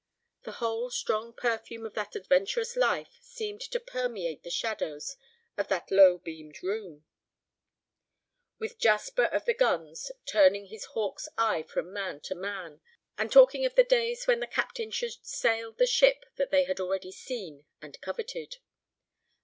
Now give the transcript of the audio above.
The whole strong perfume of that adventurous life seemed to permeate the shadows of that low beamed room, with Jasper of the guns turning his hawk's eyes from man to man, and talking of the days when the captain should sail the ship that they had already seen and coveted.